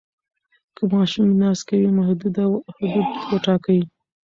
که ماشوم ناز کوي، محدوده حدود وټاکئ.